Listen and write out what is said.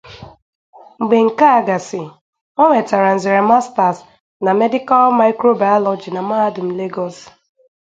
Mgbe nke a gasị, o nwetara nzere masters na Medical microbiology na Mahadum Lagos.